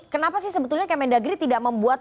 kenapa sih sebetulnya kemendagri tidak membuat